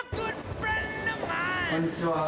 こんにちは。